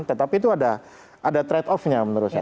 tetapi itu ada trade offnya menurut saya